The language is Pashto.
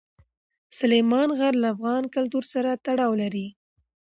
سلیمان غر له افغان کلتور سره تړاو لري.